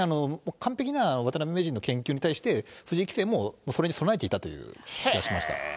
完璧な渡辺名人の研究に対して、藤井棋聖もそれに備えていたという気がしました。